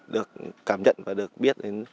được cảm nhận và được biết